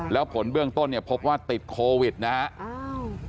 แล้วผลเบื้องต้นพบว่าติดโควิดนะครับ